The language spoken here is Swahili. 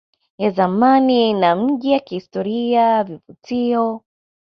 ya zamani na miji ya kihistoria vituo